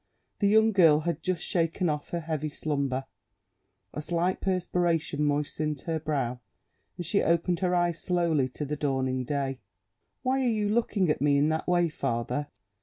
The young girl had just shaken off her heavy slumber; a slight perspiration moistened her brow, and she opened her eyes slowly to the dawning day. "Why are you looking at me in that way, father?"